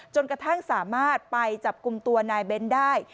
จนจะสามารถไปจับกลุ่มตัวนายเบนได้